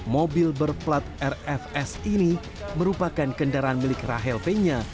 mobil berplat rfs ini merupakan kendaraan milik rahel fenya